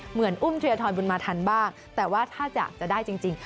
เหมือนอุ้มเทียทรบุญมาทันบ้างแต่ว่าถ้าอยากจะได้จริง